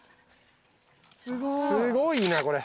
すごいなこれ。